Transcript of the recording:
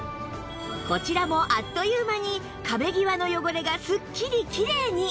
こちらもあっという間に壁際の汚れがすっきりきれいに